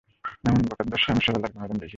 এমন বেকার দশা আমি সরলার কোনোদিন দেখি নি।